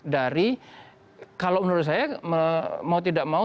dari kalau menurut saya mau tidak mau